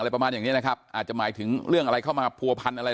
ประมาณอย่างเนี้ยนะครับอาจจะหมายถึงเรื่องอะไรเข้ามาผัวพันอะไร